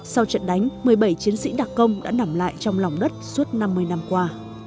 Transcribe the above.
sau trận đánh một mươi bảy chiến sĩ đặc công đã nằm lại trong lòng đất suốt năm mươi năm qua